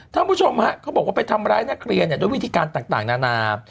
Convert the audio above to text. คุณผู้ชมฮะเขาบอกว่าไปทำร้ายนักเรียนด้วยวิธีการต่างนานา